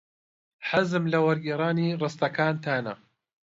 حەزم لە وەرگێڕانی ڕستەکانتانە.